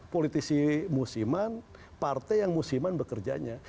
politisi musiman partai yang musiman bekerjanya